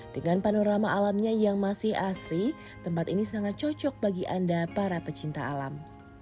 dengan panorama alamnya yang masih asri tempat ini sangat cocok bagi anda para pecinta alam